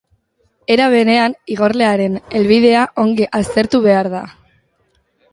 Era berean, igorlearen helbidea ongi aztertu behar da.